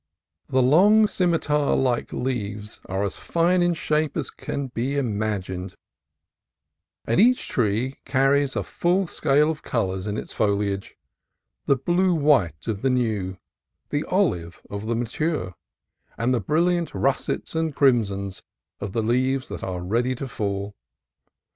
The long, scimitar like leaves are as fine in shape as can be imagined, and each tree carries a full scale of colors in its foliage, — the blue white of the new, the olive of the mature, and the brilliant russets and crimsons of the leaves that are ready to fall.